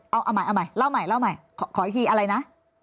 เอาใหม่เล่าใหม่ขออีกทีอะไรนะ